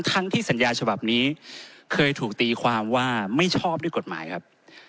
ทั้งที่สัญญาฉบับนี้เคยถูกตีความว่าไม่ชอบด้วยกฎหมายครับ